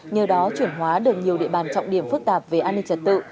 nhờ đó chuyển hóa được nhiều địa bàn trọng điểm phức tạp về an ninh trật tự